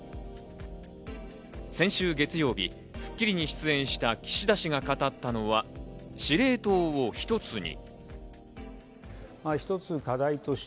先週月曜日『スッキリ』に出演した岸田氏が語ったのは、司令塔を一つに。